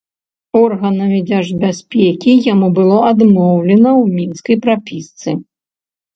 Органамі дзяржбяспекі яму было адмоўлена ў мінскай прапісцы.